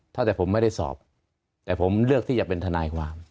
ถ้าแต่ผมไม่ได้สอบแต่ผมเลือกที่จะเป็นทนายความ